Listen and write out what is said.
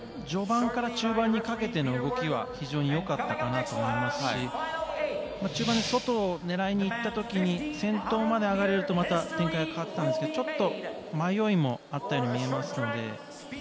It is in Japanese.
序盤から中盤にかけての動きは非常によかったかなと思いますし中盤で外を狙いに行ったときに先頭まで上がれると展開が変わっていたんですがちょっと迷いもあったように見えますよね。